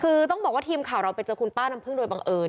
คือต้องบอกว่าทีมข่าวเราไปเจอคุณป้าน้ำพึ่งโดยบังเอิญ